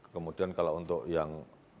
kemudian kalau untuk yang